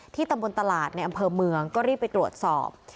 ตำบลตลาดในอำเภอเมืองก็รีบไปตรวจสอบ